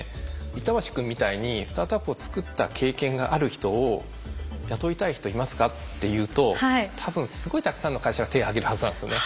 板橋君みたいにスタートアップを作った経験がある人を「雇いたい人いますか？」って言うと多分すごいたくさんの会社が手挙げるはずなんですよね。